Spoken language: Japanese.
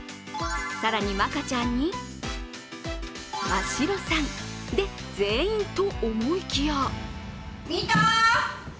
更に、苺可ちゃんに真白さんで全員と思いきや！